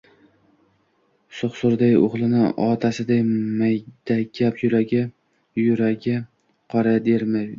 Suqsurday o`g`limni Otasiday maydagap, yuragi qoradebmish